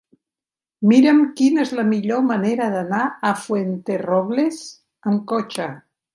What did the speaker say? Mira'm quina és la millor manera d'anar a Fuenterrobles amb cotxe.